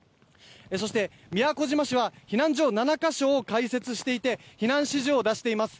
そして、宮古島市は避難所７か所を開設していて避難指示を出しています。